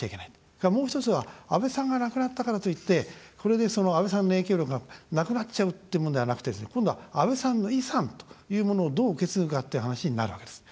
それからもう１つは、安倍さんが亡くなったからといってこれで安倍さんの影響力がなくなっちゃうってものではなくて、今度は安倍さんの遺産というものをどう受け継ぐかっていう話になるわけです。